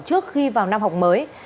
trước khi vào năm học mới